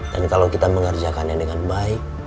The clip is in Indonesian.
dan kalau kita mengerjakan yang dengan baik